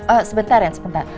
oh sebentar ya sebentar